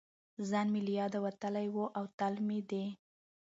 ځان مې له یاده وتلی و او تل مې دې